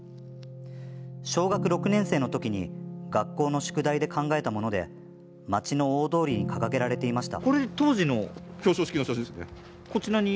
小学６年生の時に学校の宿題で考えたもので町の大通りに掲げられていました。